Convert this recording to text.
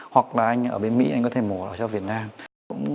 hoặc là anh ở bên mỹ anh có thể mổ ở cho việt nam